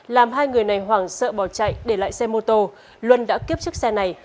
làm hai người này hoảng sợ bỏ chạy để lại xe mô tô luân đã kiếp chiếc xe này